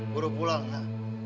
buruk pulang ya